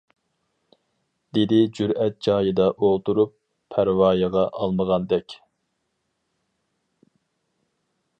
-دېدى جۈرئەت جايىدا ئولتۇرۇپ پەرۋايىغا ئالمىغاندەك.